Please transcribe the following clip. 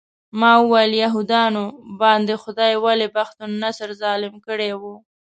ما وویل یهودانو باندې خدای ولې بخت النصر ظالم کړی و.